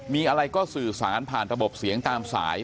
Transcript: มีอะไรก็สื่อสารผ่านระบบเสียงตามสาย